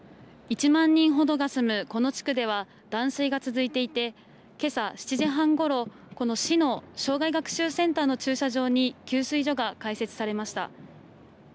１万人ほどが住むこの地区では断水が続いていてけさ７時半ごろ、この市の生涯学習センターの駐車場に給水所が開設されました。